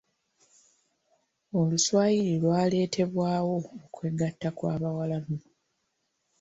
Oluswayiri lwaleetebwawo okwegatta kw'abawarabu.